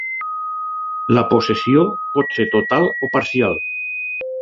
La possessió pot ser total o parcial.